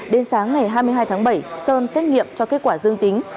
đến sáng ngày hai mươi hai tháng bảy sơn xét nghiệm cho kết quả dương tính